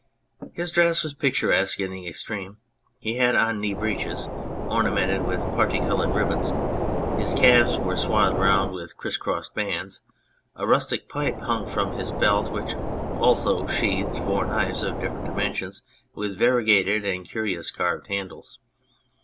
His dress was picturesque in the extreme : he had 011 knee breeches ornamented with parti coloured ribbons, his calves were swathed round with criss cross bands, a rustic pipe hung from his belt, which also sheathed four knives of different dimensions with variegated and curious carved handles.